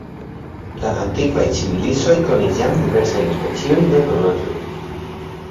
La antikvaj civilizoj konis jam diversajn speciojn de horloĝoj.